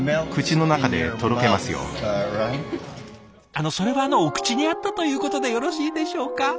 あのそれはあのお口に合ったということでよろしいでしょうか？